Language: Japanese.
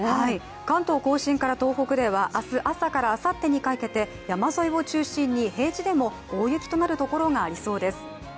関東甲信から東北では明日朝からあさってにかけて山沿いを中心に平地でも大雪となるところがありそうです。